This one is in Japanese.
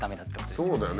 そうだよね。